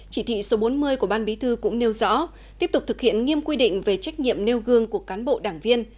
chỉ thị số bốn mươi của ban bí thư cũng nêu rõ tiếp tục thực hiện nghiêm quy định về trách nhiệm nêu gương của cán bộ đảng viên